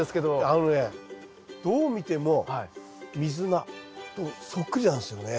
あのねどう見てもミズナとそっくりなんですよね。